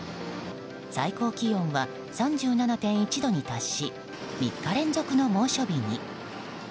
最高気温は３７．１度に達し３日連続の猛暑日に。